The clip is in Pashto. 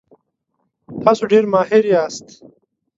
تاسو ډیر ماهر یاست.